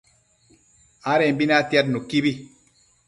adembi natiad nuquibi